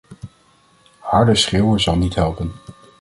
Harder schreeuwen zal niet helpen!